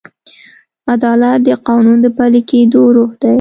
عدالت د قانون د پلي کېدو روح دی.